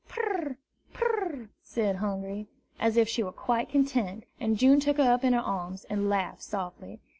"Pur! pur r r!" said Hungry, as if she were quite content; and June took her up in her arms, and laughed softly.